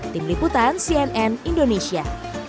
tim liputan cnn indonesia